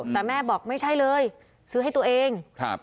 แต่แม่บอกไม่ใช่เลยซื้อให้ตัวเอง